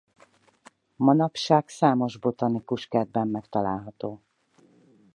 Manapság számos botanikus kertben megtalálható.